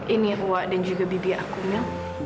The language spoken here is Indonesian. ini yang buat dan juga bibi aku mio